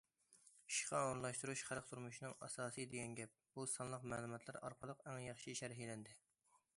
« ئىشقا ئورۇنلاشتۇرۇش خەلق تۇرمۇشىنىڭ ئاساسى» دېگەن گەپ، بۇ سانلىق مەلۇماتلار ئارقىلىق ئەڭ ياخشى شەرھلەندى.